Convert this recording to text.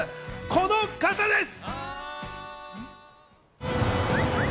この方です。